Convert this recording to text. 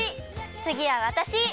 つぎはわたし！